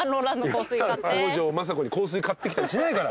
北条政子に香水買ってきたりしないから。